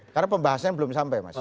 karena pembahasannya belum sampai mas